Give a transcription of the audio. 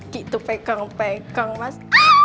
gitu pegang pegang mas